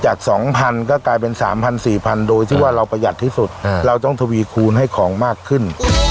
จาก๒๐๐๐ก็กลายเป็น๓๐๐๔๐๐โดยที่ว่าเราประหยัดที่สุดเราต้องทวีคูณให้ของมากขึ้น